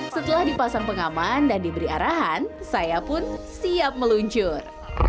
setelah dipasang pengaman dan diberi arahan saya pun siap meluncur